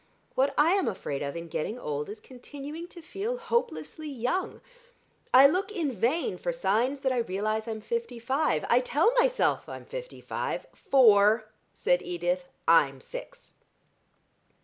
What I am afraid of in getting old is continuing to feel hopelessly young. I look in vain for signs that I realise I'm fifty five. I tell myself I'm fifty five " "Four," said Edith; "I'm six."